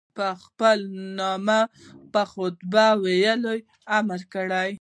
په خپل نامه یې خطبې ویلو امر کړی.